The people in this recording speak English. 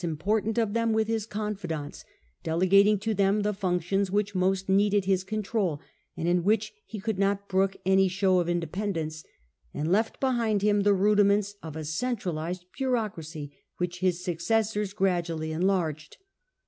portant of them with his confidants, delegating to them the functions which most needed his control, and in which he could not brook any show of independence, and left behind him the rudiments of a centralised bureaucracy which his successors gradually enlarged.